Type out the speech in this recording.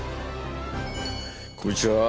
こんにちは！